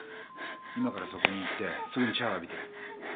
今からそこに行ってすぐにシャワー浴びて。